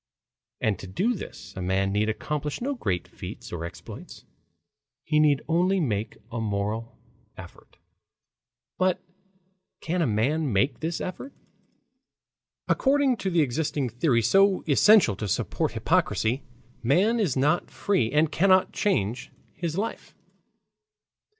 And to do this a man need accomplish no great feats or exploits. He need only make a moral effort. But can a man make this effort? According to the existing theory so essential to support hypocrisy, man is not free and cannot change his life.